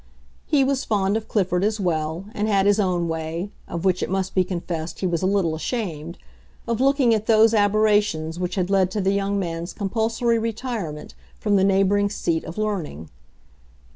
He was fond of Clifford, as well, and had his own way—of which it must be confessed he was a little ashamed—of looking at those aberrations which had led to the young man's compulsory retirement from the neighboring seat of learning.